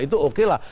itu oke lah